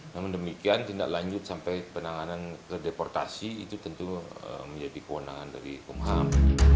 namun demikian tindak lanjut sampai penanganan ke deportasi itu tentu menjadi kewenangan dari kumham